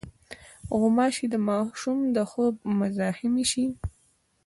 غوماشې د ماشوم د خوب مزاحمې شي.